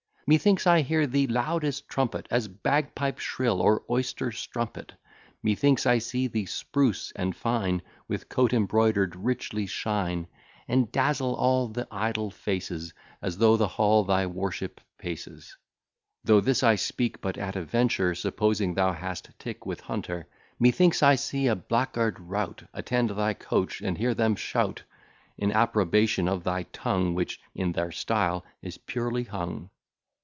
Methinks I hear thee loud as trumpet, As bagpipe shrill or oyster strumpet; Methinks I see thee, spruce and fine, With coat embroider'd richly shine, And dazzle all the idol faces, As through the hall thy worship paces; (Though this I speak but at a venture, Supposing thou hast tick with Hunter,) Methinks I see a blackguard rout Attend thy coach, and hear them shout In approbation of thy tongue, Which (in their style) is purely hung.